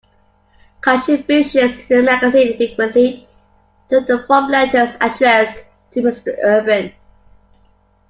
Contributions to the magazine frequently took the form of letters, addressed to "Mr. Urban".